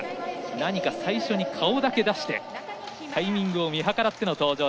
何か、最初に顔だけ出してタイミングを見計らっての登場。